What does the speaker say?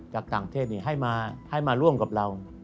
จากต่างประเทศให้มาร่วมกับเรา